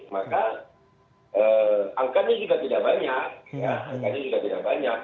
maka angkanya juga tidak banyak